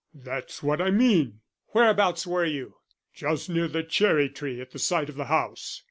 "That's what I mean." "Whereabouts were you?" "Just near the cherry tree at the side of the house."